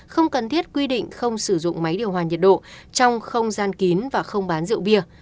không cần thiết quy định không sử dụng máy điều hòa nhiệt độ trong không gian kín và không bán rượu bia